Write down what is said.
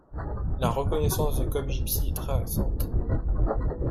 La reconnaissance du Cob Gypsy est très récente.